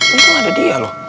tunggu ada dia lho